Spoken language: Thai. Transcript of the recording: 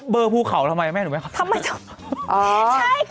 เบอร์ภูเขาทำไมแม่หนูแม่ครับ